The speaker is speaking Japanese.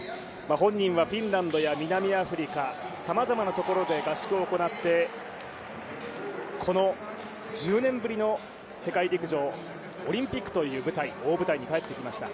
本人はフィンランドや南アフリカ様々なところで合宿を行ってこの１０年ぶりの世界陸上、オリンピックという大舞台に帰ってきました。